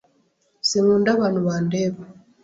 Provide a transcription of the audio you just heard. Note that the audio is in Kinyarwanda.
Sinkunda abantu bandeba.